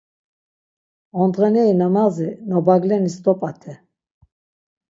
Ondğeneri nemazi Nobaglenis dop̌ate.